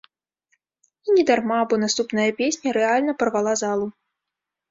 І не дарма, бо наступная песня рэальна парвала залу.